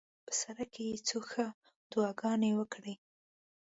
په سر کې یې څو ښې دعاګانې وکړې.